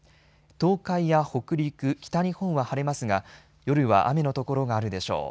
東海や北陸、北日本は晴れますが夜は雨の所があるでしょう。